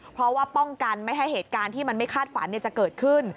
เพราะว่าป้องกันไม่ให้เหตุการณ์ที่มันไม่คาดฝันจะเกิดขึ้น